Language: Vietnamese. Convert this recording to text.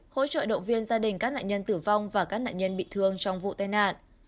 hỗ trợ động viên gia đình các nạn nhân tử vong và các nạn nhân bị thương trong vụ tai nạn